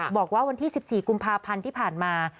บอกว่าวันที่๑๔กุมภาพันธ์ที่ผ่านมา